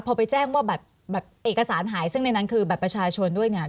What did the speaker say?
พอไปแจ้งว่าแบบเอกสารหายซึ่งในนั้นคือบัตรประชาชนด้วยเนี่ย